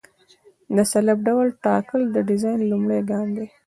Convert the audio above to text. د سلب ډول ټاکل د ډیزاین لومړی ګام دی